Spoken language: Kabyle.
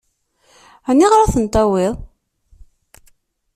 Aniɣer ad ten-tawiḍ?